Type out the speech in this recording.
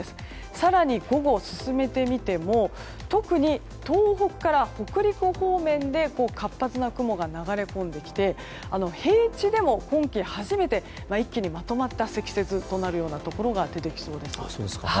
更に午後、進めて見ても特に東北から北陸方面で活発な雲が流れ込んできて平地でも今季初めて一気にまとまった積雪となるようなところが出てきそうです。